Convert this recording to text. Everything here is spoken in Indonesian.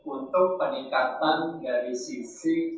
untuk peningkatan dari sisi